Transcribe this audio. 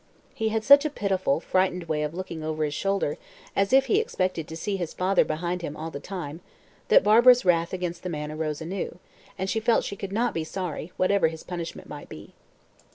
He had such a pitiful, frightened way of looking over his shoulder, as if he expected to see his father behind him all the time, that Barbara's wrath against the man arose anew, and she felt she could not be sorry, whatever his punishment might be.